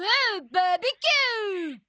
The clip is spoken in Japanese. バーベキュー！